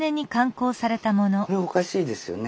これおかしいですよね。